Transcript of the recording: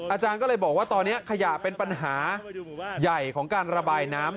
อาจารย์ก็เลยบอกว่าตอนนี้ขยะเป็นปัญหาใหญ่ของการระบายน้ำ